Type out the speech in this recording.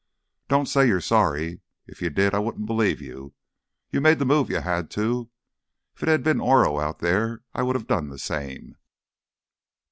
"Don't say you're sorry. If you did, I wouldn't believe you. You made the move you had to. If it had been Oro out there—I would have done the same."